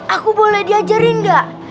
aku boleh diajarin gak